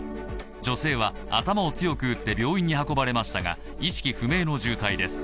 女性は頭を強く打って病院に運ばれましたが、意識不明の重体です。